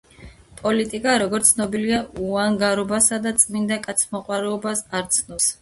პოლიტიკა, როგორც ცნობილია, უანგარობასა და წმინდა კაცთმოყვარეობას არ ცნობს